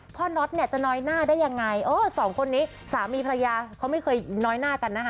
น็อตเนี่ยจะน้อยหน้าได้ยังไงเออสองคนนี้สามีภรรยาเขาไม่เคยน้อยหน้ากันนะคะ